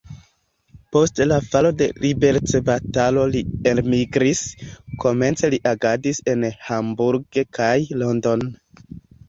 Post la falo de liberecbatalo li elmigris, komence li agadis en Hamburg kaj London.